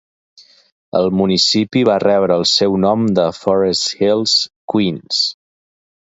El municipi va rebre el seu nom de Forest Hills, Queens.